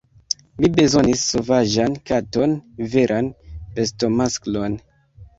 Mi bezonis sovaĝan katon, veran bestomasklon...